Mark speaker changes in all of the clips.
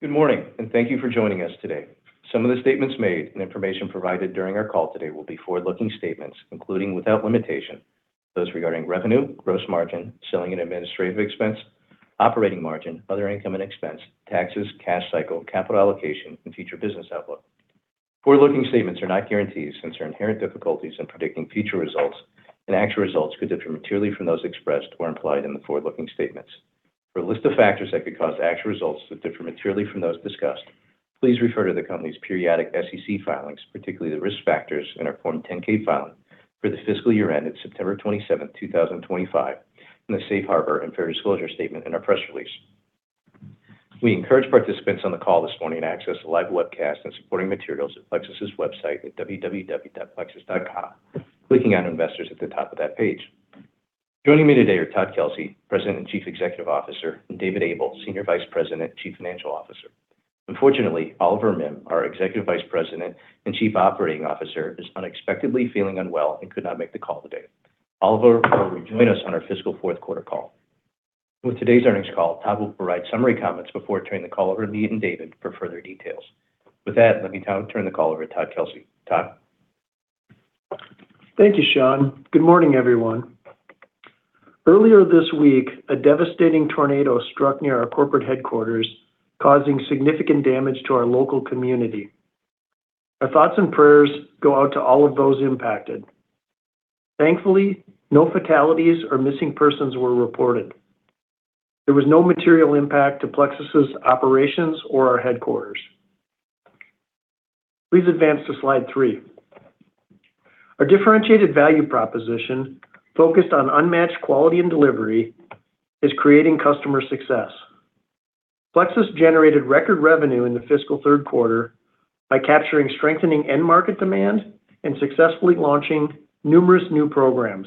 Speaker 1: Good morning. Thank you for joining us today. Some of the statements made and information provided during our call today will be forward-looking statements, including, without limitation, those regarding revenue, gross margin, selling and administrative expense, operating margin, other income and expense, taxes, cash cycle, capital allocation, and future business outlook. Forward-looking statements are not guarantees since there are inherent difficulties in predicting future results, and actual results could differ materially from those expressed or implied in the forward-looking statements. For a list of factors that could cause actual results to differ materially from those discussed, please refer to the company's periodic SEC filings, particularly the risk factors in our Form 10-K filing for the fiscal year ended September 27, 2025, and the safe harbor and fair disclosure statement in our press release. We encourage participants on the call this morning to access the live webcast and supporting materials at plexus.com, clicking on Investors at the top of that page. Joining me today are Todd Kelsey, President and Chief Executive Officer, and David Abuhl, Senior Vice President, Chief Financial Officer. Unfortunately, Oliver Mihm, our Executive Vice President and Chief Operating Officer, is unexpectedly feeling unwell and could not make the call today. Oliver will rejoin us on our fiscal fourth quarter call. With today's earnings call, Todd Kelsey will provide summary comments before turning the call over to me and David Abuhl for further details. With that, let me now turn the call over to Todd Kelsey. Todd Kelsey?
Speaker 2: Thank you, Shawn Harrison. Good morning, everyone. Earlier this week, a devastating tornado struck near our corporate headquarters, causing significant damage to our local community. Our thoughts and prayers go out to all of those impacted. Thankfully, no fatalities or missing persons were reported. There was no material impact to Plexus's operations or our headquarters. Please advance to slide three. Our differentiated value proposition, focused on unmatched quality and delivery, is creating customer success. Plexus generated record revenue in the fiscal third quarter by capturing strengthening end market demand and successfully launching numerous new programs.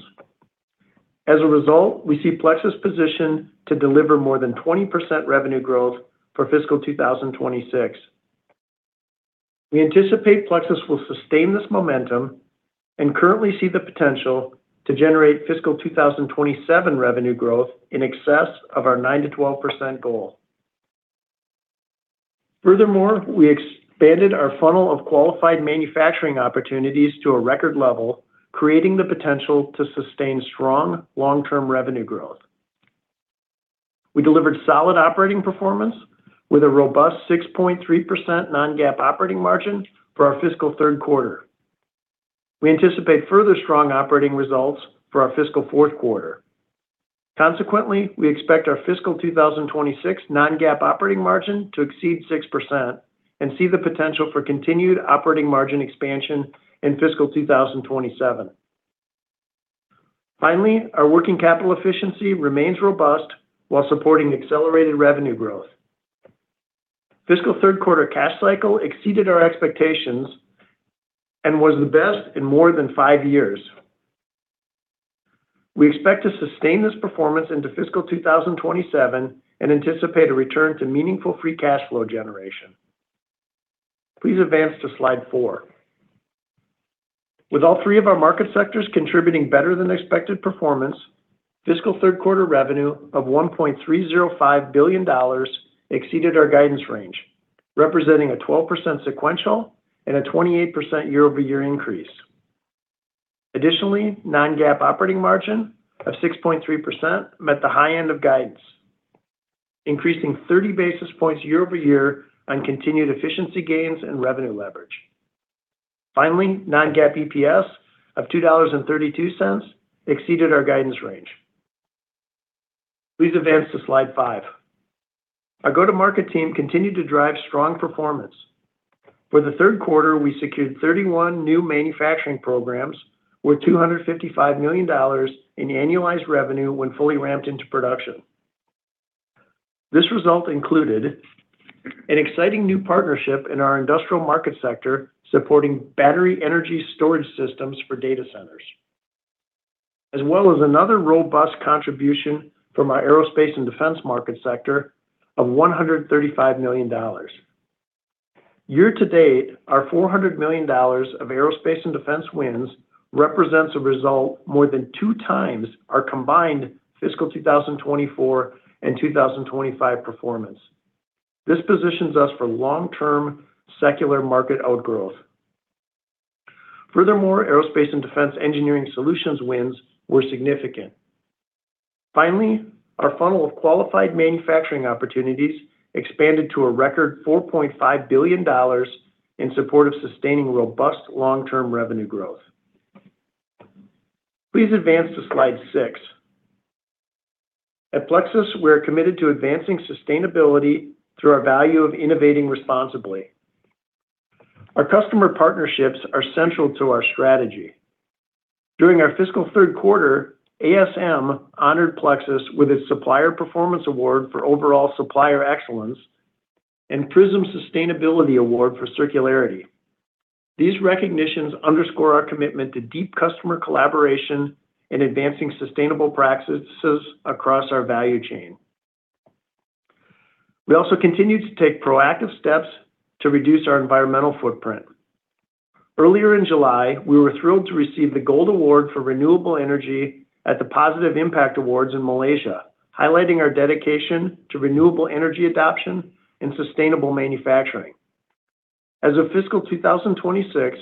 Speaker 2: As a result, we see Plexus positioned to deliver more than 20% revenue growth for fiscal 2026. We anticipate Plexus will sustain this momentum and currently see the potential to generate fiscal 2027 revenue growth in excess of our 9%-12% goal. We expanded our funnel of qualified manufacturing opportunities to a record level, creating the potential to sustain strong long-term revenue growth. We delivered solid operating performance with a robust 6.3% non-GAAP operating margin for our fiscal third quarter. We anticipate further strong operating results for our fiscal fourth quarter. Consequently, we expect our fiscal 2026 non-GAAP operating margin to exceed 6% and see the potential for continued operating margin expansion in fiscal 2027. Finally, our working capital efficiency remains robust while supporting accelerated revenue growth. Fiscal third quarter cash cycle exceeded our expectations and was the best in more than five years. We expect to sustain this performance into fiscal 2027 and anticipate a return to meaningful free cash flow generation. Please advance to slide four. With all three of our market sectors contributing better than expected performance, fiscal third quarter revenue of $1.305 billion exceeded our guidance range, representing a 12% sequential and a 28% year-over-year increase. Additionally, non-GAAP operating margin of 6.3% met the high end of guidance, increasing 30 basis points year-over-year on continued efficiency gains and revenue leverage. Finally, non-GAAP EPS of $2.32 exceeded our guidance range. Please advance to slide five. Our go-to-market team continued to drive strong performance. For the third quarter, we secured 31 new manufacturing programs with $255 million in annualized revenue when fully ramped into production. This result included an exciting new partnership in our industrial market sector supporting battery energy storage systems for data centers, as well as another robust contribution from our aerospace and defense market sector of $135 million. Year to date, our $400 million of aerospace and defense wins represents a result more than two times our combined fiscal 2024 and 2025 performance. This positions us for long-term secular market outgrowth. Furthermore, aerospace and defense engineering solutions wins were significant. Finally, our funnel of qualified manufacturing opportunities expanded to a record $4.5 billion in support of sustaining robust long-term revenue growth. Please advance to slide six. At Plexus, we are committed to advancing sustainability through our value of innovating responsibly. Our customer partnerships are central to our strategy. During our fiscal third quarter, ASM honored Plexus with its Supplier Performance Award for overall supplier excellence and PRISM Sustainability Award for circularity. These recognitions underscore our commitment to deep customer collaboration and advancing sustainable practices across our value chain. We also continue to take proactive steps to reduce our environmental footprint. Earlier in July, we were thrilled to receive the Gold Award for renewable energy at the Positive Impact Awards in Malaysia, highlighting our dedication to renewable energy adoption and sustainable manufacturing. As of fiscal 2026,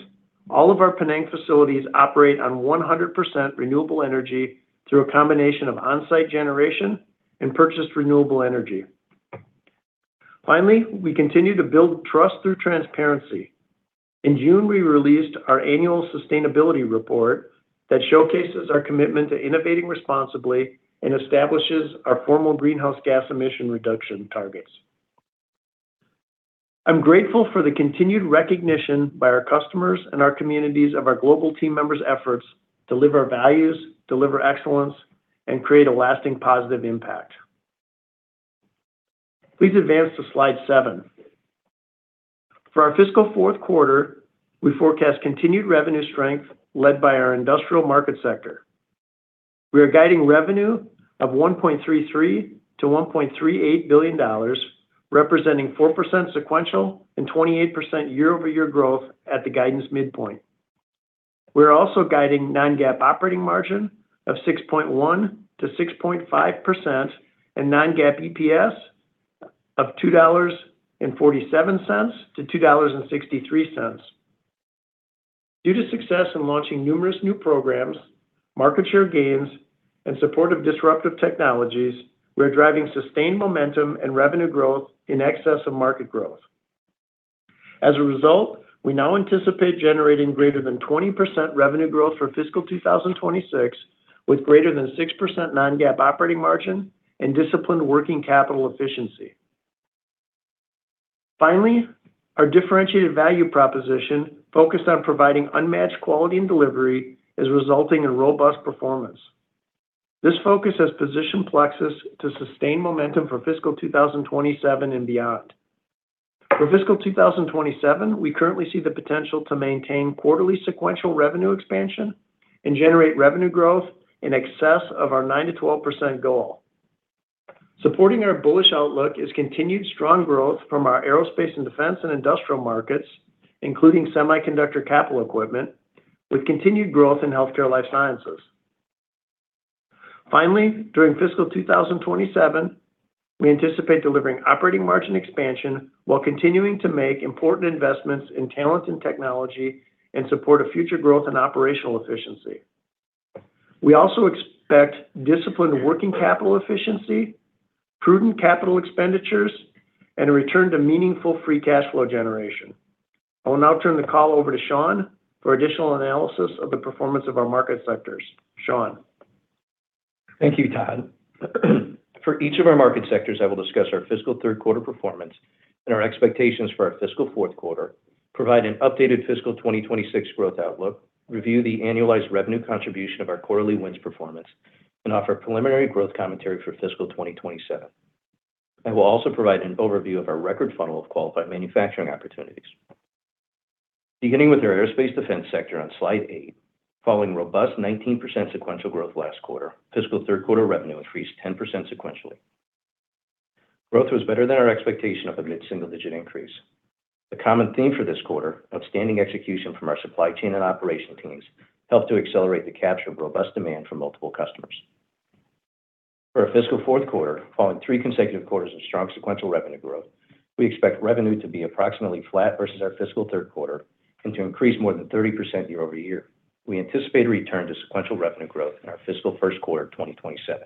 Speaker 2: all of our Penang facilities operate on 100% renewable energy through a combination of on-site generation and purchased renewable energy. Finally, we continue to build trust through transparency. In June, we released our annual sustainability report that showcases our commitment to innovating responsibly and establishes our formal greenhouse gas emission reduction targets. I'm grateful for the continued recognition by our customers and our communities of our global team members' efforts to live our values, deliver excellence, and create a lasting positive impact. Please advance to slide seven. For our fiscal fourth quarter, we forecast continued revenue strength led by our industrial market sector. We are guiding revenue of $1.33 billion-$1.38 billion, representing 4% sequential and 28% year-over-year growth at the guidance midpoint. We are also guiding non-GAAP operating margin of 6.1%-6.5% and non-GAAP EPS of $2.47-$2.63. Due to success in launching numerous new programs, market share gains, and supportive disruptive technologies, we are driving sustained momentum and revenue growth in excess of market growth. As a result, we now anticipate generating greater than 20% revenue growth for fiscal 2026, with greater than 6% non-GAAP operating margin and disciplined working capital efficiency. Finally, our differentiated value proposition, focused on providing unmatched quality and delivery, is resulting in robust performance. This focus has positioned Plexus to sustain momentum for fiscal 2027 and beyond. For fiscal 2027, we currently see the potential to maintain quarterly sequential revenue expansion and generate revenue growth in excess of our 9%-12% goal. Supporting our bullish outlook is continued strong growth from our aerospace and defense and industrial markets, including semiconductor capital equipment, with continued growth in Healthcare Life Sciences. Finally, during fiscal 2027, we anticipate delivering operating margin expansion while continuing to make important investments in talent and technology, and support future growth and operational efficiency. We also expect disciplined working capital efficiency, prudent capital expenditures, and a return to meaningful free cash flow generation. I will now turn the call over to Shawn Harrison for additional analysis of the performance of our market sectors. Shawn Harrison.
Speaker 1: Thank you, Todd Kelsey. For each of our market sectors, I will discuss our fiscal third quarter performance and our expectations for our fiscal fourth quarter, provide an updated fiscal 2026 growth outlook, review the annualized revenue contribution of our quarterly wins performance, and offer preliminary growth commentary for fiscal 2027. I will also provide an overview of our record funnel of qualified manufacturing opportunities. Beginning with our Aerospace Defense sector on Slide 8, following robust 19% sequential growth last quarter, fiscal third quarter revenue increased 10% sequentially. Growth was better than our expectation of a mid-single-digit increase. The common theme for this quarter, outstanding execution from our supply chain and operation teams, helped to accelerate the capture of robust demand from multiple customers. For our fiscal fourth quarter, following three consecutive quarters of strong sequential revenue growth, we expect revenue to be approximately flat versus our fiscal third quarter and to increase more than 30% year-over-year. We anticipate a return to sequential revenue growth in our fiscal first quarter of 2027.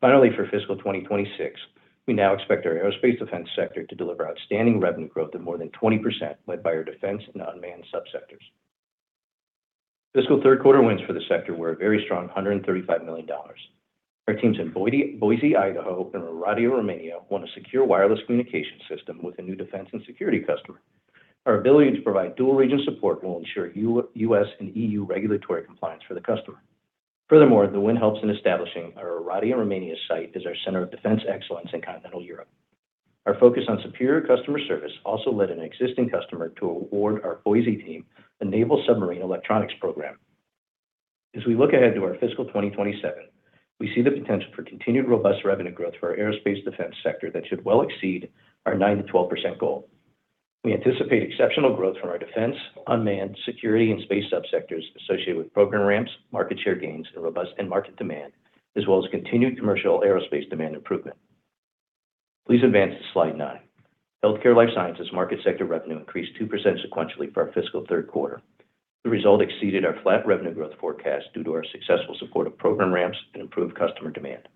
Speaker 1: Finally, for fiscal 2026, we now expect our Aerospace Defense sector to deliver outstanding revenue growth of more than 20%, led by our defense and unmanned subsectors. Fiscal third quarter wins for the sector were a very strong $135 million. Our teams in Boise, Idaho, and Oradea, Romania, won a secure wireless communication system with a new defense and security customer. Our ability to provide dual-region support will ensure U.S. and EU regulatory compliance for the customer. Furthermore, the win helps in establishing our Oradea, Romania, site as our center of defense excellence in continental Europe. Our focus on superior customer service also led an existing customer to award our Boise team a naval submarine electronics program. As we look ahead to our fiscal 2027, we see the potential for continued robust revenue growth for our Aerospace Defense sector that should well exceed our 9%-12% goal. We anticipate exceptional growth from our defense, unmanned, security, and space subsectors associated with program ramps, market share gains, and robust end market demand, as well as continued commercial aerospace demand improvement. Please advance to Slide 9. Healthcare Life Sciences market sector revenue increased 2% sequentially for our fiscal third quarter. The result exceeded our flat revenue growth forecast due to our successful support of program ramps and improved customer demand.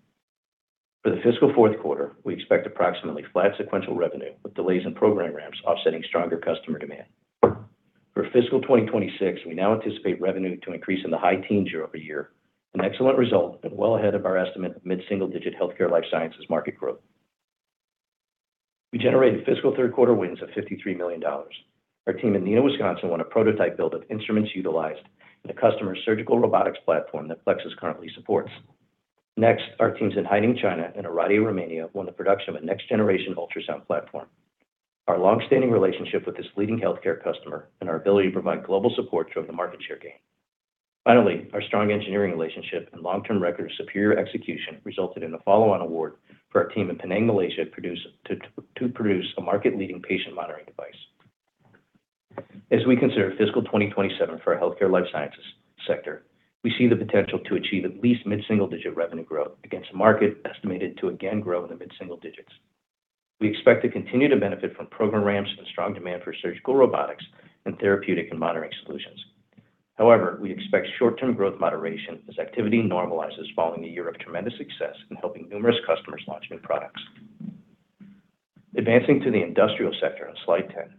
Speaker 1: For the fiscal fourth quarter, we expect approximately flat sequential revenue, with delays in program ramps offsetting stronger customer demand. For fiscal 2026, we now anticipate revenue to increase in the high teens year-over-year, an excellent result and well ahead of our estimate of mid-single-digit healthcare life sciences market growth. We generated fiscal third-quarter wins of $53 million. Our team in Neenah, Wisconsin, won a prototype build of instruments utilized in a customer's surgical robotics platform that Plexus currently supports. Our teams in Haining, China, and Oradea, Romania, won the production of a next-generation ultrasound platform. Our long-standing relationship with this leading healthcare customer and our ability to provide global support drove the market share gain. Our strong engineering relationship and long-term record of superior execution resulted in a follow-on award for our team in Penang, Malaysia, to produce a market-leading patient monitoring device. As we consider fiscal 2027 for our healthcare life sciences sector, we see the potential to achieve at least mid-single-digit revenue growth against a market estimated to again grow in the mid-single digits. We expect to continue to benefit from program ramps and strong demand for surgical robotics and therapeutic and monitoring solutions. We expect short-term growth moderation as activity normalizes following a year of tremendous success in helping numerous customers launch new products. Advancing to the industrial sector on slide 10,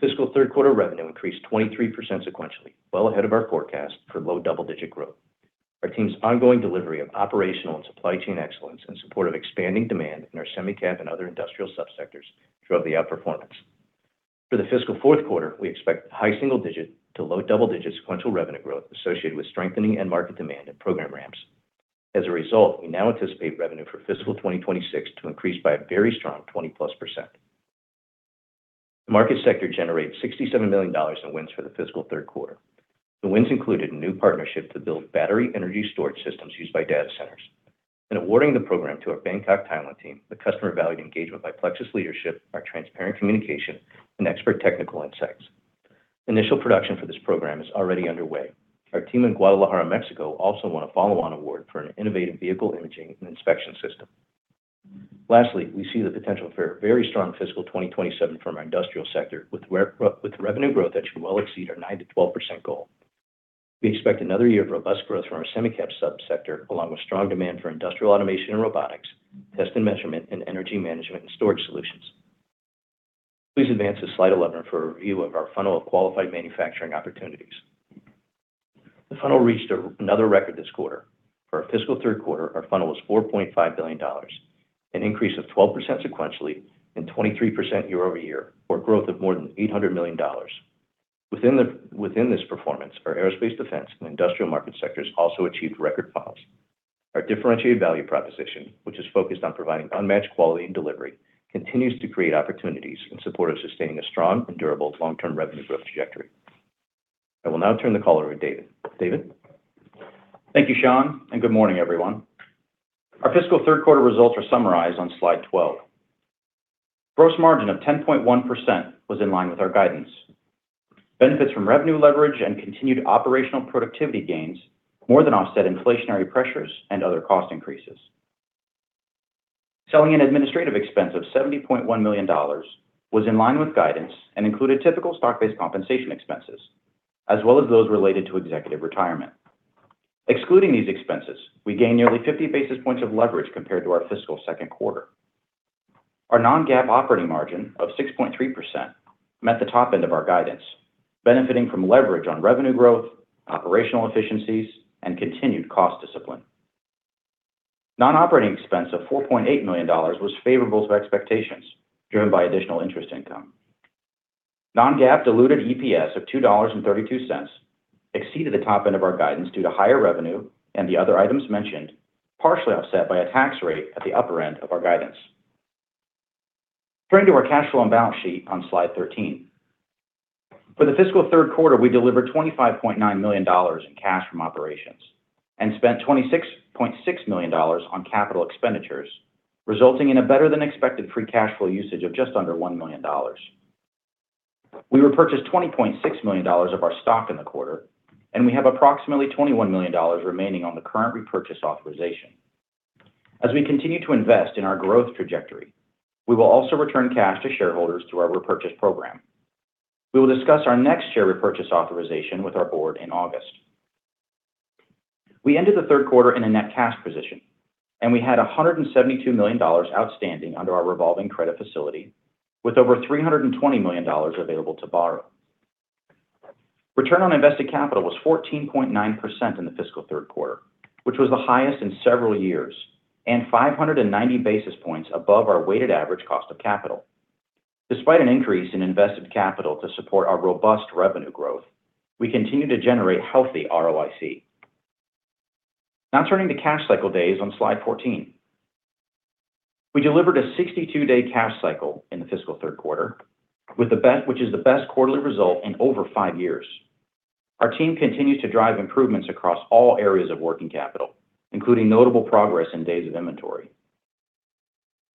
Speaker 1: fiscal third-quarter revenue increased 23% sequentially, well ahead of our forecast for low-double-digit growth. Our team's ongoing delivery of operational and supply chain excellence in support of expanding demand in our semi-cap and other industrial sub-sectors drove the outperformance. For the fiscal fourth quarter, we expect high-single-digit to low-double-digit sequential revenue growth associated with strengthening end-market demand and program ramps. We now anticipate revenue for fiscal 2026 to increase by a very strong 20+%. The market sector generated $67 million in wins for the fiscal third quarter. The wins included a new partnership to build battery energy storage systems used by data centers. In awarding the program to our Bangkok, Thailand team, the customer valued engagement by Plexus leadership, our transparent communication, and expert technical insights. Initial production for this program is already underway. Our team in Guadalajara, Mexico also won a follow-on award for an innovative vehicle imaging and inspection system. We see the potential for a very strong fiscal 2027 for our industrial sector, with revenue growth that should well exceed our 9%-12% goal. We expect another year of robust growth from our semi-cap sub-sector, along with strong demand for industrial automation and robotics, test and measurement, and energy management and storage solutions. Please advance to slide 11 for a review of our funnel of qualified manufacturing opportunities. The funnel reached another record this quarter. For our fiscal third quarter, our funnel was $4.5 billion, an increase of 12% sequentially and 23% year-over-year, or growth of more than $800 million. Within this performance, our aerospace, defense, and industrial market sectors also achieved record funnels. Our differentiated value proposition, which is focused on providing unmatched quality and delivery, continues to create opportunities in support of sustaining a strong and durable long-term revenue growth trajectory. I will now turn the call over to David Abuhl. David Abuhl?
Speaker 3: Thank you, Shawn Harrison, and good morning, everyone. Our fiscal third quarter results are summarized on slide 12. Gross margin of 10.1% was in line with our guidance. Benefits from revenue leverage and continued operational productivity gains more than offset inflationary pressures and other cost increases. Selling and administrative expense of $70.1 million was in line with guidance and included typical stock-based compensation expenses, as well as those related to executive retirement. Excluding these expenses, we gained nearly 50 basis points of leverage compared to our fiscal second quarter. Our non-GAAP operating margin of 6.3% met the top end of our guidance, benefiting from leverage on revenue growth, operational efficiencies, and continued cost discipline. Non-operating expense of $4.8 million was favorable to expectations, driven by additional interest income. Non-GAAP diluted EPS of $2.32 exceeded the top end of our guidance due to higher revenue and the other items mentioned, partially offset by a tax rate at the upper end of our guidance. Turning to our cash flow and balance sheet on slide 13. For the fiscal third quarter, we delivered $25.9 million in cash from operations and spent $26.6 million on capital expenditures, resulting in a better-than-expected free cash flow usage of just under $1 million. We repurchased $20.6 million of our stock in the quarter, and we have approximately $21 million remaining on the current repurchase authorization. As we continue to invest in our growth trajectory, we will also return cash to shareholders through our repurchase program. We will discuss our next share repurchase authorization with our board in August. We ended the third quarter in a net cash position, and we had $172 million outstanding under our revolving credit facility, with over $320 million available to borrow. Return on invested capital was 14.9% in the fiscal third quarter, which was the highest in several years, and 590 basis points above our weighted average cost of capital. Despite an increase in invested capital to support our robust revenue growth, we continue to generate healthy ROIC. Turning to cash cycle days on slide 14. We delivered a 62-day cash cycle in the fiscal third quarter, which is the best quarterly result in over five years. Our team continues to drive improvements across all areas of working capital, including notable progress in days of inventory.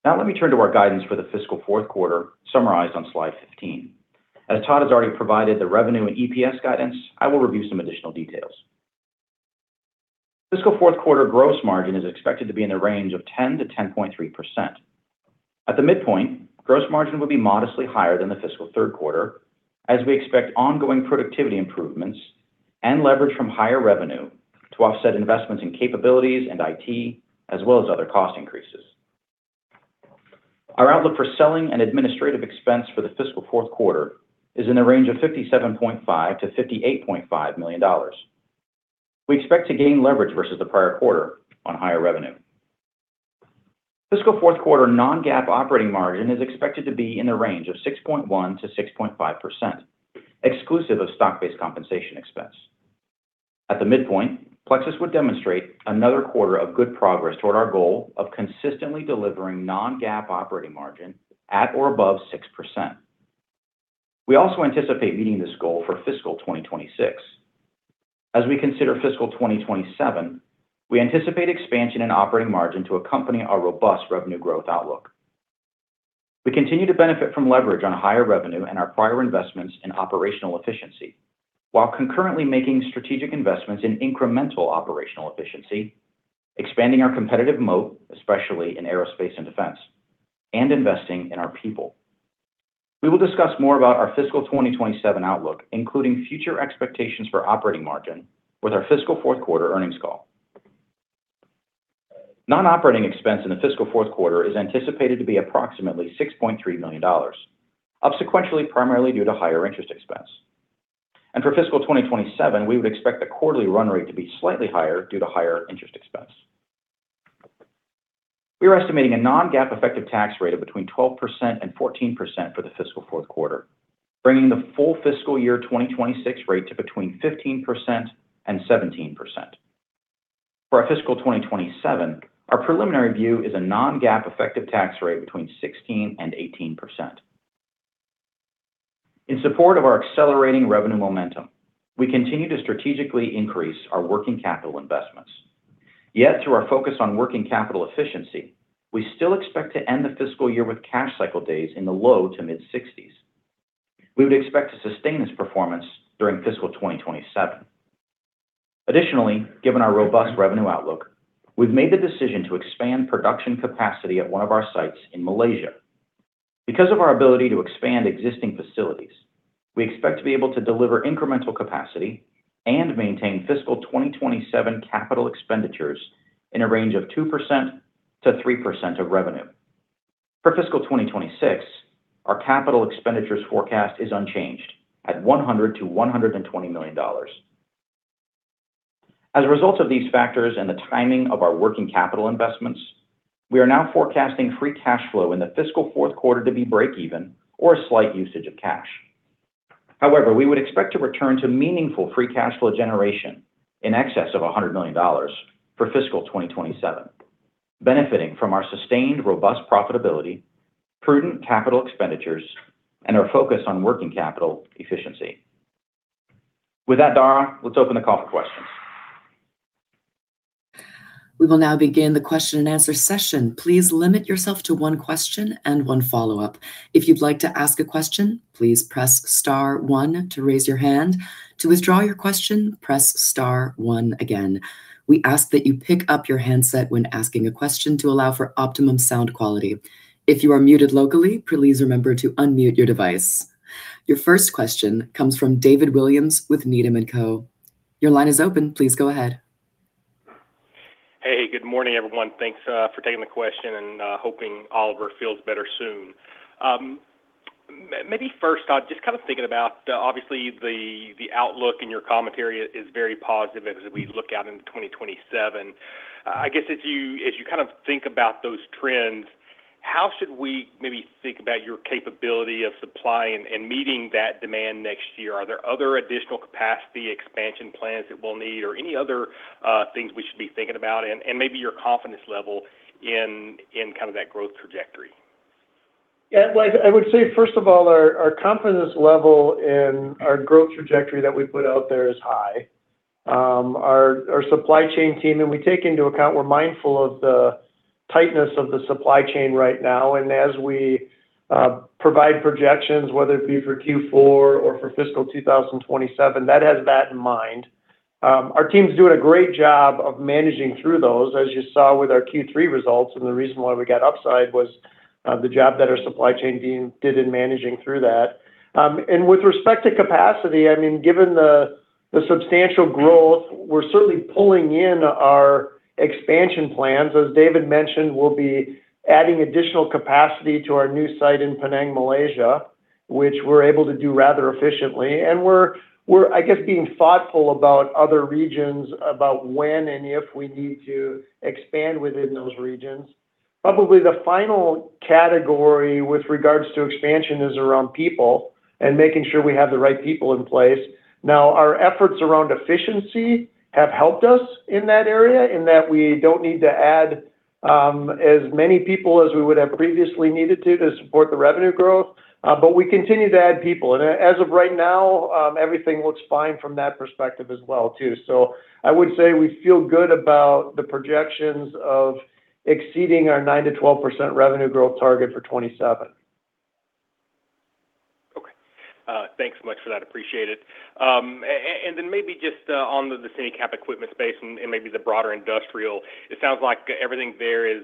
Speaker 3: Let me turn to our guidance for the fiscal fourth quarter, summarized on slide 15. As Todd Kelsey has already provided the revenue and EPS guidance, I will review some additional details. Fiscal fourth quarter gross margin is expected to be in the range of 10%-10.3%. At the midpoint, gross margin will be modestly higher than the fiscal third quarter, as we expect ongoing productivity improvements and leverage from higher revenue to offset investments in capabilities and IT, as well as other cost increases. Our outlook for selling and administrative expense for the fiscal fourth quarter is in the range of $57.5 million-$58.5 million. We expect to gain leverage versus the prior quarter on higher revenue. Fiscal fourth quarter non-GAAP operating margin is expected to be in the range of 6.1%-6.5%, exclusive of stock-based compensation expense. At the midpoint, Plexus would demonstrate another quarter of good progress toward our goal of consistently delivering non-GAAP operating margin at or above 6%. We also anticipate meeting this goal for fiscal 2026. As we consider fiscal 2027, we anticipate expansion in operating margin to accompany our robust revenue growth outlook. We continue to benefit from leverage on higher revenue and our prior investments in operational efficiency, while concurrently making strategic investments in incremental operational efficiency, expanding our competitive moat, especially in aerospace and defense, and investing in our people. We will discuss more about our fiscal 2027 outlook, including future expectations for operating margin, with our fiscal fourth quarter earnings call. Non-operating expense in the fiscal fourth quarter is anticipated to be approximately $6.3 million, up sequentially primarily due to higher interest expense. For fiscal 2027, we would expect the quarterly run rate to be slightly higher due to higher interest expense. We are estimating a non-GAAP effective tax rate of between 12% and 14% for the fiscal fourth quarter, bringing the full fiscal year 2026 rate to between 15% and 17%. For our fiscal 2027, our preliminary view is a non-GAAP effective tax rate between 16% and 18%. In support of our accelerating revenue momentum, we continue to strategically increase our working capital investments. Yet through our focus on working capital efficiency, we still expect to end the fiscal year with cash cycle days in the low to mid-60s. We would expect to sustain this performance during fiscal 2027. Additionally, given our robust revenue outlook, we've made the decision to expand production capacity at one of our sites in Malaysia. Because of our ability to expand existing facilities, we expect to be able to deliver incremental capacity and maintain fiscal 2027 capital expenditures in a range of 2%-3% of revenue. For fiscal 2026, our capital expenditures forecast is unchanged at $100 million-$120 million. As a result of these factors and the timing of our working capital investments, we are now forecasting free cash flow in the fiscal fourth quarter to be break even or a slight usage of cash. However, we would expect to return to meaningful free cash flow generation in excess of $100 million for fiscal 2027, benefiting from our sustained robust profitability, prudent capital expenditures, and our focus on working capital efficiency. With that, Dara, let's open the call for questions.
Speaker 4: We will now begin the question-and answer session. Please limit yourself to one question and one follow-up. If you'd like to ask a question, please press star one to raise your hand. To withdraw your question, press star one again. We ask that you pick up your handset when asking a question to allow for optimum sound quality. If you are muted locally, please remember to unmute your device. Your first question comes from David Williams with Needham & Co. Your line is open. Please go ahead.
Speaker 5: Good morning, everyone. Thanks for taking the question, and hoping Oliver feels better soon. The outlook in your commentary is very positive as we look out into 2027. How should we maybe think about your capability of supply and meeting that demand next year? Are there other additional capacity expansion plans that we'll need or any other things we should be thinking about? Maybe your confidence level in kind of that growth trajectory.
Speaker 2: Our confidence level in our growth trajectory that we put out there is high. Our supply chain team, we take into account we're mindful of the tightness of the supply chain right now, and as we provide projections, whether it be for Q4 or for fiscal 2027, that has that in mind. Our team's doing a great job of managing through those, as you saw with our Q3 results. The reason why we got upside was the job that our supply chain team did in managing through that. With respect to capacity, given the substantial growth, we're certainly pulling in our expansion plans. As David Abuhl mentioned, we'll be adding additional capacity to our new site in Penang, Malaysia, which we're able to do rather efficiently. We're being thoughtful about other regions, about when and if we need to expand within those regions. Probably the final category with regards to expansion is around people and making sure we have the right people in place. Now, our efforts around efficiency have helped us in that area, in that we don't need to add as many people as we would have previously needed to support the revenue growth. We continue to add people, and as of right now, everything looks fine from that perspective as well too. We feel good about the projections of exceeding our 9%-12% revenue growth target for 2027.
Speaker 5: Okay. Thanks so much for that. Appreciate it. On the semi-cap equipment space and maybe the broader industrial, it sounds like everything there is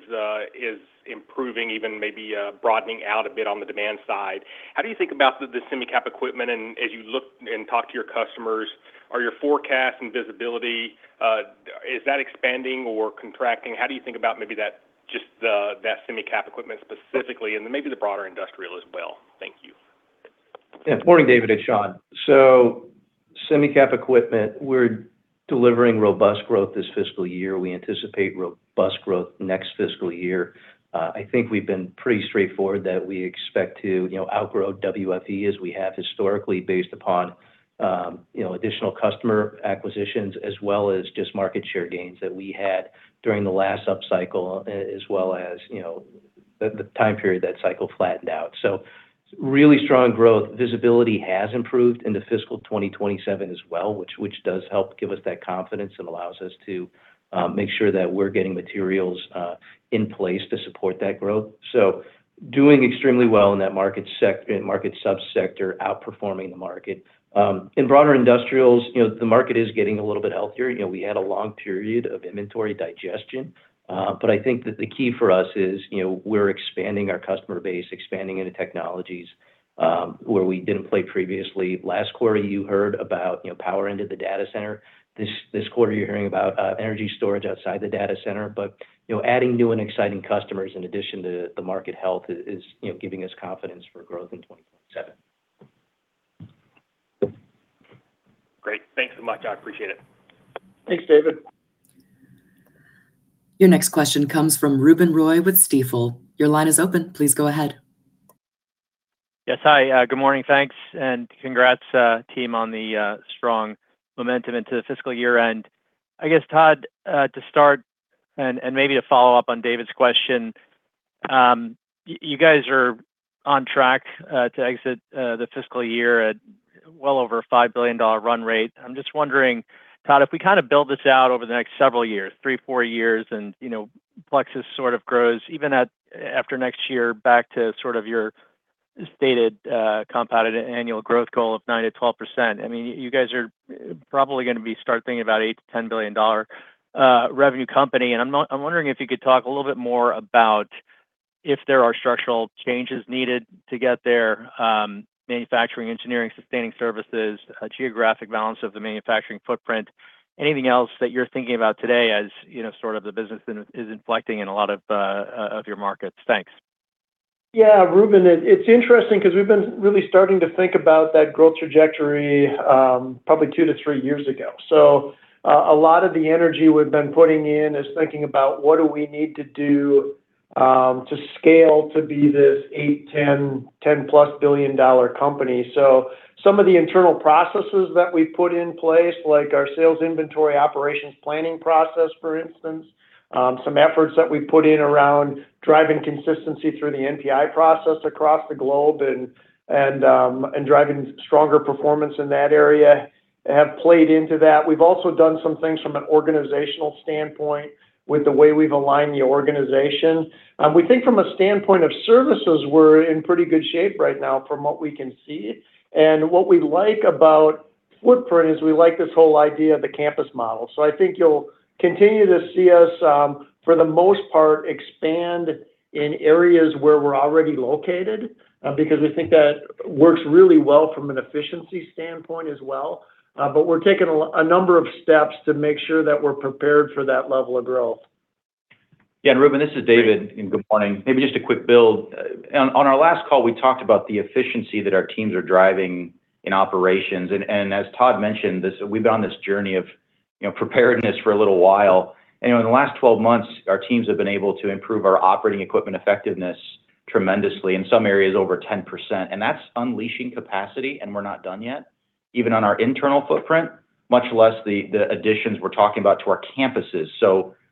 Speaker 5: improving, even maybe broadening out a bit on the demand side. How do you think about the semi-cap equipment? As you look and talk to your customers, are your forecasts and visibility, is that expanding or contracting? How do you think about that semi-cap equipment specifically and maybe the broader industrial as well? Thank you.
Speaker 1: Yeah. Morning, David Williams. It's Shawn Harrison. Semi-cap equipment, we're delivering robust growth this fiscal year. We anticipate robust growth next fiscal year. I think we've been pretty straightforward that we expect to outgrow WFE as we have historically based upon additional customer acquisitions as well as just market share gains that we had during the last upcycle as well as the time period that cycle flattened out.
Speaker 3: Really strong growth. Visibility has improved into fiscal 2027 as well, which does help give us that confidence and allows us to make sure that we're getting materials in place to support that growth. Doing extremely well in that market sub-sector, outperforming the market. In broader industrials, the market is getting a little bit healthier. We had a long period of inventory digestion. I think that the key for us is, we're expanding our customer base, expanding into technologies, where we didn't play previously. Last quarter, you heard about power into the data center. This quarter, you're hearing about energy storage outside the data center. Adding new and exciting customers in addition to the market health is giving us confidence for growth in 2027.
Speaker 5: Great. Thanks so much. I appreciate it.
Speaker 2: Thanks, David Williams.
Speaker 4: Your next question comes from Ruben Roy with Stifel. Your line is open. Please go ahead.
Speaker 6: Yes. Hi, good morning. Thanks, and congrats, team, on the strong momentum into the fiscal year-end. I guess, Todd Kelsey, to start and maybe to follow up on David's question, you guys are on track to exit the fiscal year at well over a $5 billion run rate. I'm just wondering, Todd Kelsey, if we build this out over the next several years, three, four years, and Plexus sort of grows even after next year back to your stated compounded annual growth goal of 9%-12%. You guys are probably going to be start thinking about $8 billion-$10 billion revenue company. I'm wondering if you could talk a little bit more about if there are structural changes needed to get there, manufacturing, engineering, sustaining services, geographic balance of the manufacturing footprint. Anything else that you're thinking about today as sort of the business is inflecting in a lot of your markets. Thanks.
Speaker 2: Yeah, Ruben Roy, it's interesting because we've been really starting to think about that growth trajectory, probably two to three years ago. A lot of the energy we've been putting in is thinking about what do we need to do to scale to be this eight, 10-plus billion dollar company. Some of the internal processes that we've put in place, like our sales inventory operations planning process, for instance, some efforts that we've put in around driving consistency through the NPI process across the globe and driving stronger performance in that area have played into that. We've also done some things from an organizational standpoint with the way we've aligned the organization. We think from a standpoint of services, we're in pretty good shape right now from what we can see. What we like about footprint is we like this whole idea of the campus model. I think you'll continue to see us, for the most part, expand in areas where we're already located, because we think that works really well from an efficiency standpoint as well. We're taking a number of steps to make sure that we're prepared for that level of growth.
Speaker 3: Ruben Roy, this is David Abuhl, good morning. Maybe just a quick build. On our last call, we talked about the efficiency that our teams are driving in operations. As Todd Kelsey mentioned, we've been on this journey of preparedness for a little while. In the last 12 months, our teams have been able to improve our operating equipment effectiveness tremendously, in some areas over 10%. That's unleashing capacity, and we're not done yet, even on our internal footprint, much less the additions we're talking about to our campuses.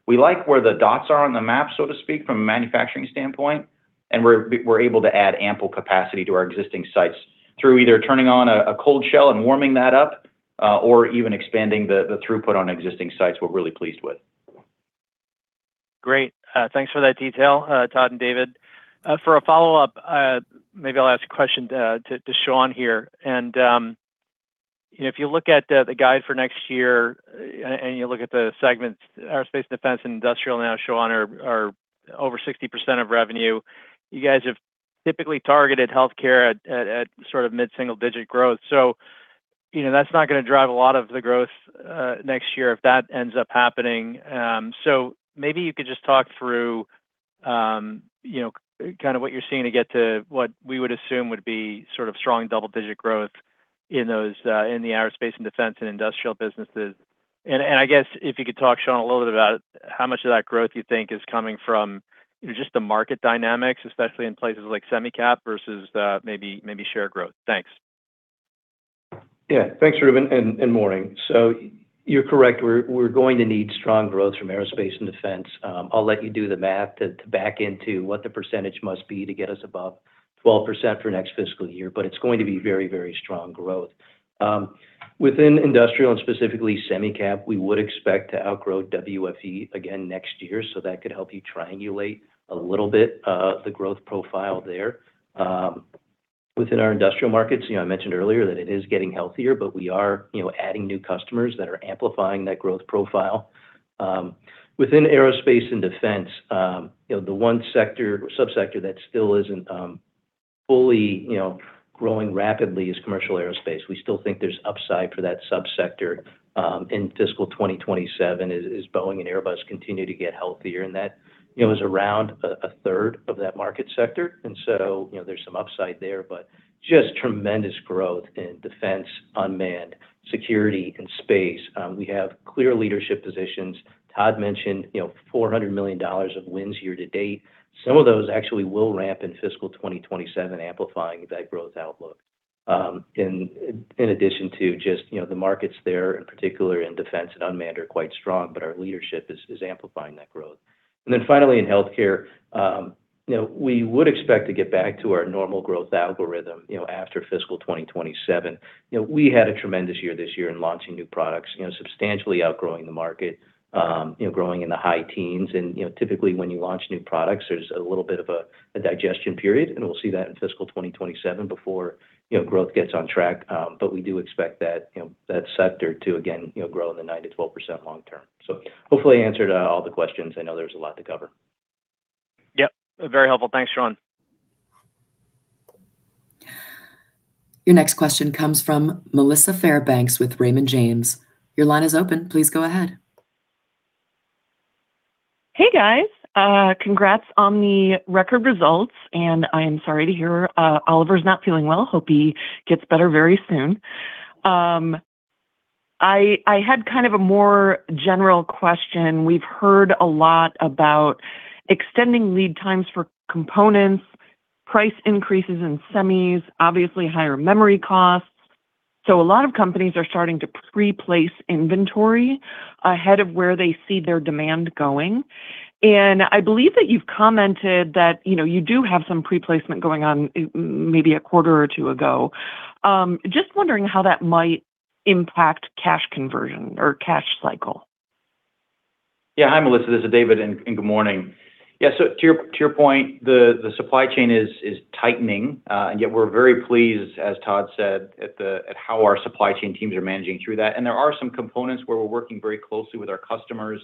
Speaker 3: We like where the dots are on the map, so to speak, from a manufacturing standpoint, and we're able to add ample capacity to our existing sites through either turning on a cold shell and warming that up, or even expanding the throughput on existing sites. We're really pleased with.
Speaker 6: Great. Thanks for that detail, Todd Kelsey and David Abuhl. For a follow-up, maybe I'll ask a question to Shawn Harrison here. If you look at the guide for next year and you look at the segments, aerospace and defense and industrial now, Shawn Harrison, are over 60% of revenue. You guys have typically targeted healthcare at sort of mid-single-digit growth. That's not going to drive a lot of the growth next year if that ends up happening. Maybe you could just talk through what you're seeing to get to what we would assume would be sort of strong double-digit growth in the aerospace and defense and industrial businesses. I guess if you could talk, Shawn Harrison, a little bit about how much of that growth you think is coming from just the market dynamics, especially in places like semi-cap versus maybe share growth. Thanks.
Speaker 1: Thanks, Ruben Roy, morning. You're correct. We're going to need strong growth from aerospace and defense. I'll let you do the math to back into what the percentage must be to get us above 12% for next fiscal year. It's going to be very strong growth. Within industrial and specifically semi-cap, we would expect to outgrow WFE again next year, that could help you triangulate a little bit of the growth profile there. Within our industrial markets, I mentioned earlier that it is getting healthier, we are adding new customers that are amplifying that growth profile. Within aerospace and defense, the one sub-sector that still isn't fully growing rapidly is commercial aerospace. We still think there's upside for that sub-sector in fiscal 2027 as Boeing and Airbus continue to get healthier, that is around a third of that market sector. There's some upside there, but just tremendous growth in defense, unmanned security, and space. We have clear leadership positions. Todd mentioned $400 million of wins year-to-date. Some of those actually will ramp in fiscal 2027, amplifying that growth outlook. In addition to just the markets there, in particular in defense and unmanned, are quite strong, but our leadership is amplifying that growth. Finally, in healthcare, we would expect to get back to our normal growth algorithm after fiscal 2027. We had a tremendous year this year in launching new products, substantially outgrowing the market, growing in the high teens. Typically when you launch new products, there's a little bit of a digestion period, and we will see that in fiscal 2027 before growth gets on track. We do expect that sector to, again, grow in the 9%-12% long term. Hopefully I answered all the questions. I know there was a lot to cover.
Speaker 6: Yep. Very helpful. Thanks, Shawn Harrison.
Speaker 4: Your next question comes from Melissa Fairbanks with Raymond James. Your line is open. Please go ahead.
Speaker 7: Hey, guys. Congrats on the record results. I am sorry to hear Oliver's not feeling well. Hope he gets better very soon. I had kind of a more general question. We've heard a lot about extending lead times for components, price increases in semis, obviously higher memory costs. A lot of companies are starting to pre-place inventory ahead of where they see their demand going. I believe that you've commented that you do have some pre-placement going on maybe a quarter or two ago. Just wondering how that might impact cash conversion or cash cycle.
Speaker 3: Yeah. Hi, Melissa Fairbanks. This is David Abuhl, and good morning. Yeah, to your point, the supply chain is tightening. Yet we're very pleased, as Todd Kelsey said, at how our supply chain teams are managing through that. There are some components where we're working very closely with our customers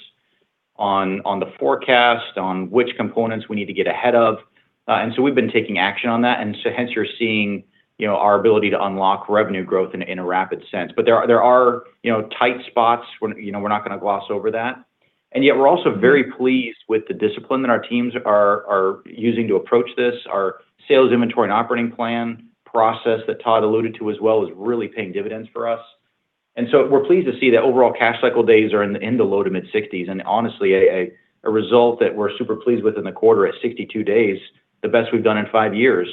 Speaker 3: on the forecast, on which components we need to get ahead of. We've been taking action on that. Hence, you're seeing our ability to unlock revenue growth in a rapid sense. There are tight spots. We're not going to gloss over that. Yet we're also very pleased with the discipline that our teams are using to approach this. Our sales inventory and operating plan process that Todd Kelsey alluded to as well is really paying dividends for us. We're pleased to see that overall cash cycle days are in the low to mid 60s. Honestly, a result that we're super pleased with in the quarter is 62 days, the best we've done in five years.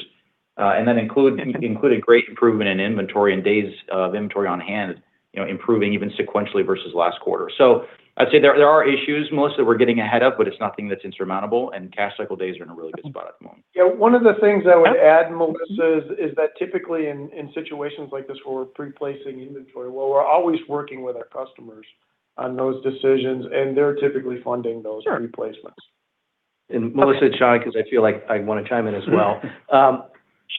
Speaker 3: That included great improvement in inventory and days of inventory on hand, improving even sequentially versus last quarter. I'd say there are issues, Melissa Fairbanks, we're getting ahead of, but it's nothing that's insurmountable, and cash cycle days are in a really good spot at the moment.
Speaker 2: Yeah, one of the things I would add, Melissa Fairbanks, is that typically in situations like this where we're pre-placing inventory, while we're always working with our customers on those decisions, and they're typically funding those.
Speaker 7: Sure
Speaker 2: pre-placements.
Speaker 1: Melissa Fairbanks, Shawn Harrison, because I feel like I want to chime in as well.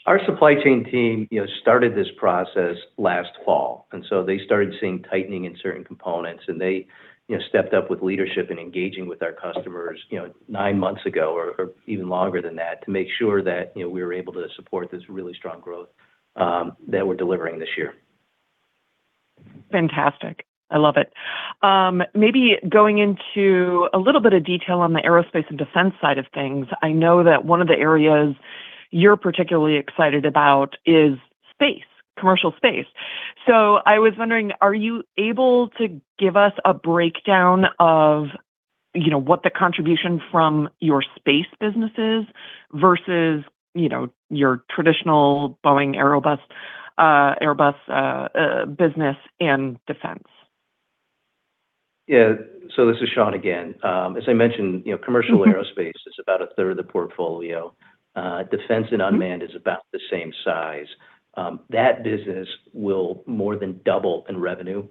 Speaker 1: Our supply chain team started this process last fall. They started seeing tightening in certain components, and they stepped up with leadership in engaging with our customers nine months ago, or even longer than that, to make sure that we were able to support this really strong growth that we're delivering this year.
Speaker 7: Fantastic. I love it. Maybe going into a little bit of detail on the aerospace and defense side of things, I know that one of the areas you're particularly excited about is space, commercial space. I was wondering, are you able to give us a breakdown of what the contribution from your space business is versus your traditional Boeing, Airbus business and defense?
Speaker 1: Yeah. This is Shawn Harrison again. As I mentioned, commercial aerospace is about a third of the portfolio. Defense and unmanned is about the same size. That business will more than double in revenue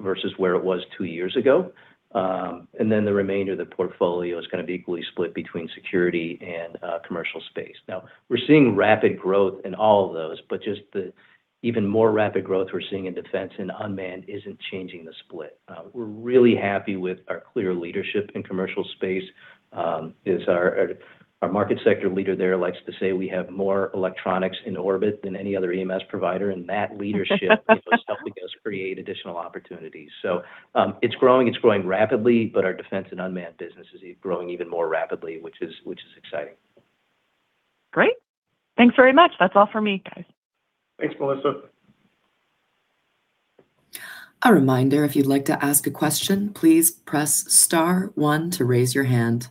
Speaker 1: versus where it was two years ago. The remainder of the portfolio is going to be equally split between security and commercial space. Now, we're seeing rapid growth in all of those, but just the even more rapid growth we're seeing in defense and unmanned isn't changing the split. We're really happy with our clear leadership in commercial space. As our market sector leader there likes to say, we have more electronics in orbit than any other EMS provider, and that leadership is helping us create additional opportunities. It's growing rapidly, but our defense and unmanned business is growing even more rapidly, which is exciting.
Speaker 7: Great. Thanks very much. That's all for me, guys.
Speaker 2: Thanks, Melissa Fairbanks.
Speaker 4: A reminder, if you'd like to ask a question, please press star one to raise your hand.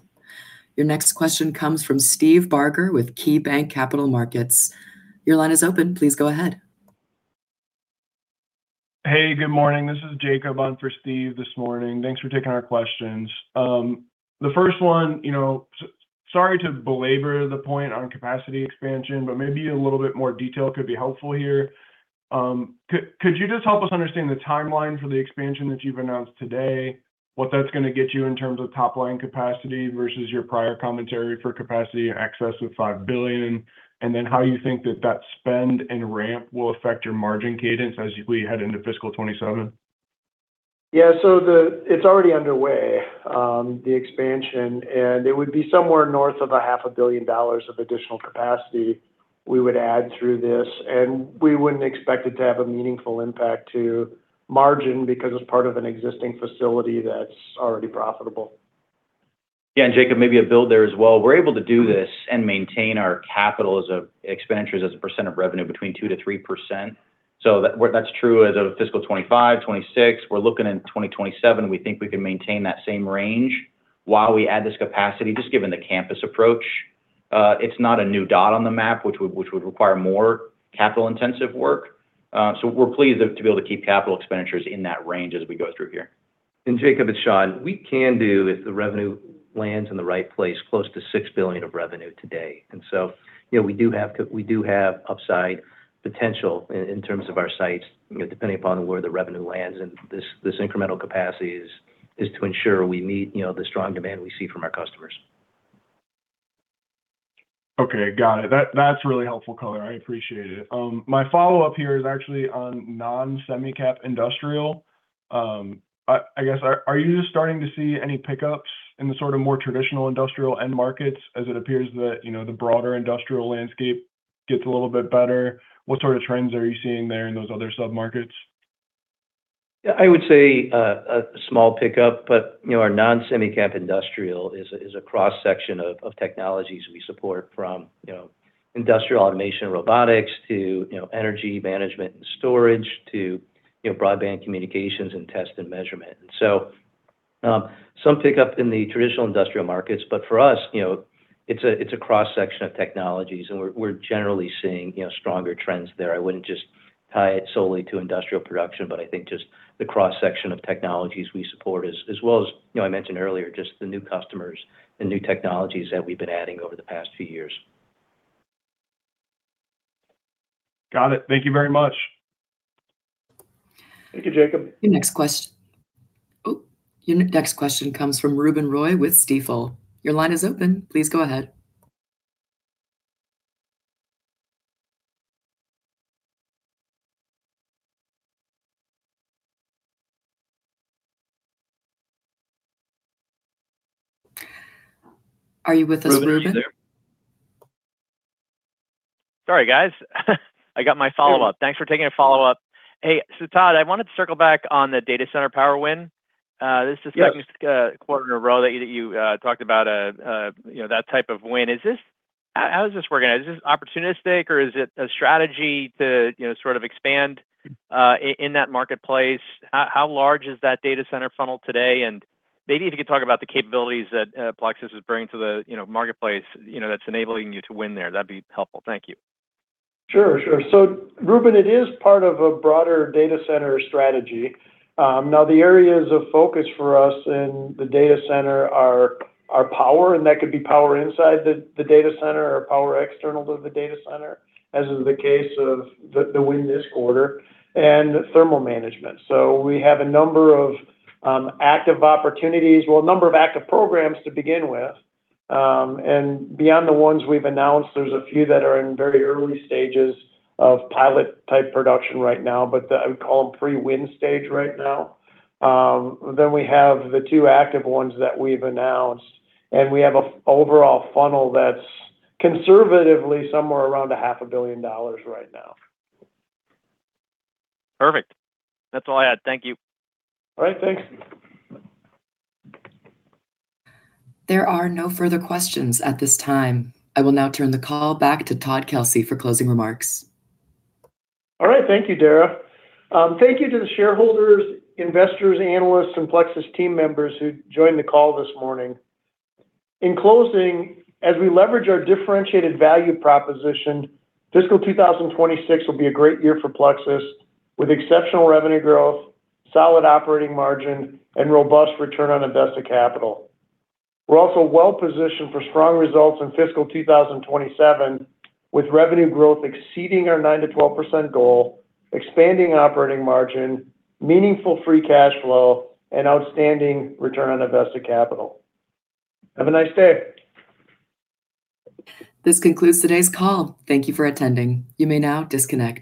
Speaker 4: Your next question comes from Steve Barger with KeyBanc Capital Markets. Your line is open. Please go ahead.
Speaker 8: Hey, good morning. This is Jacob on for Steve this morning. Thanks for taking our questions. The first one, sorry to belabor the point on capacity expansion, maybe a little bit more detail could be helpful here. Could you just help us understand the timeline for the expansion that you've announced today, what that's going to get you in terms of top-line capacity versus your prior commentary for capacity in excess of $5 billion, and then how you think that that spend and ramp will affect your margin cadence as we head into fiscal 2027?
Speaker 2: Yeah, it's already underway, the expansion, it would be somewhere north of a half a billion dollars of additional capacity we would add through this, we wouldn't expect it to have a meaningful impact to margin because it's part of an existing facility that's already profitable.
Speaker 3: Jacob, maybe to build there as well. We're able to do this and maintain our capital expenditures as a percent of revenue between 2%-3% That's true as of fiscal 2025, 2026. We're looking in 2027, we think we can maintain that same range while we add this capacity, just given the campus approach. It's not a new dot on the map, which would require more capital-intensive work. We're pleased to be able to keep capital expenditures in that range as we go through here.
Speaker 1: Jacob, it's Shawn Harrison. We can do, if the revenue lands in the right place, close to $6 billion of revenue today. We do have upside potential in terms of our sites, depending upon where the revenue lands, and this incremental capacity is to ensure we meet the strong demand we see from our customers.
Speaker 8: Okay. Got it. That's really helpful color. I appreciate it. My follow-up here is actually on non-semi-cap industrial. I guess, are you starting to see any pickups in the more traditional industrial end markets as it appears that the broader industrial landscape gets a little bit better? What sort of trends are you seeing there in those other sub-markets?
Speaker 1: Yeah, I would say a small pickup, but our non-semi-cap industrial is a cross-section of technologies we support from industrial automation robotics to energy management and storage to broadband communications and test and measurement. Some pickup in the traditional industrial markets, but for us, it's a cross-section of technologies, and we're generally seeing stronger trends there. I wouldn't just tie it solely to industrial production, I think just the cross-section of technologies we support as well as I mentioned earlier, just the new customers, the new technologies that we've been adding over the past few years.
Speaker 8: Got it. Thank you very much.
Speaker 2: Thank you, Jacob.
Speaker 4: Your next question comes from Ruben Roy with Stifel. Your line is open. Please go ahead. Are you with us, Ruben?
Speaker 1: Ruben, you there?
Speaker 6: Sorry, guys, I got my follow-up. Thanks for taking a follow-up. Hey, Todd Kelsey, I wanted to circle back on the data center power win.
Speaker 2: Yep.
Speaker 6: This is the second quarter in a row that you talked about that type of win. How is this working? Is this opportunistic, or is it a strategy to sort of expand in that marketplace? How large is that data center funnel today? Maybe if you could talk about the capabilities that Plexus is bringing to the marketplace that's enabling you to win there. That'd be helpful. Thank you.
Speaker 2: Sure. Ruben Roy, it is part of a broader data center strategy. Now, the areas of focus for us in the data center are power, and that could be power inside the data center or power external to the data center, as is the case of the win this quarter, and thermal management. We have a number of active opportunities, well, a number of active programs to begin with. Beyond the ones we've announced, there's a few that are in very early stages of pilot-type production right now, but I would call them pre-win stage right now. We have the two active ones that we've announced, and we have a overall funnel that's conservatively somewhere around a half a billion dollars right now.
Speaker 6: Perfect. That's all I had. Thank you.
Speaker 2: All right. Thanks.
Speaker 4: There are no further questions at this time. I will now turn the call back to Todd Kelsey for closing remarks.
Speaker 2: All right. Thank you, Dara. Thank you to the shareholders, investors, analysts, and Plexus team members who joined the call this morning. In closing, as we leverage our differentiated value proposition, fiscal 2026 will be a great year for Plexus, with exceptional revenue growth, solid operating margin, and robust return on invested capital. We're also well-positioned for strong results in fiscal 2027, with revenue growth exceeding our 9%-12% goal, expanding operating margin, meaningful free cash flow, and outstanding return on invested capital. Have a nice day.
Speaker 4: This concludes today's call. Thank you for attending. You may now disconnect.